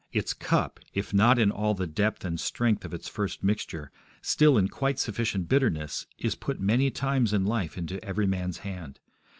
Its cup, if not in all the depth and strength of its first mixture, still in quite sufficient bitterness, is put many times in life into every man's hand.